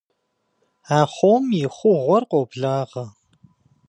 Ахъом и хъугъуэр къоблагъэ.